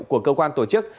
của cơ quan tổ chức